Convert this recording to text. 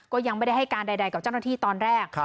ก็ยังไม่ได้ให้การใดกับเจ้าหน้าที่ตอนแรก